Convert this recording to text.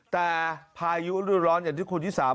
แต่พายุรูดร้อนอย่างที่คุณชิสา